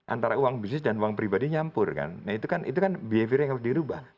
antara uang bisnis dan uang pribadi nyampur kan nah itu kan behavior yang harus dirubah